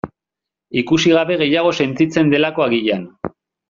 Ikusi gabe gehiago sentitzen delako, agian.